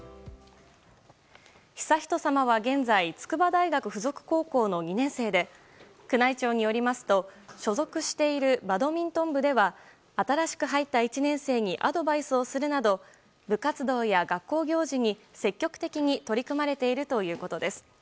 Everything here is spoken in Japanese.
悠仁さまは現在筑波大学附属高校の２年生で宮内庁によりますと所属しているバドミントン部では新しく入った１年生にアドバイスをするなど部活動や学校行事に積極的に取り組まれているということです。